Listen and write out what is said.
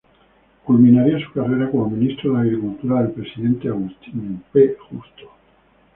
Culminaría su carrera como ministro de agricultura del presidente Agustín P. Justo.